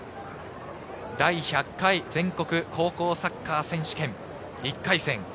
第１００回全国高校サッカー選手権１回戦。